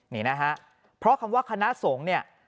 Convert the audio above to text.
นี่นะคะเพราะคำว่าคณะสงศ์